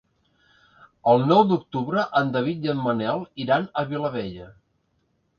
El nou d'octubre en David i en Manel iran a Vilabella.